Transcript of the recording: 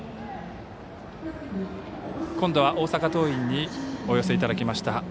今度は大阪桐蔭にお寄せいただきました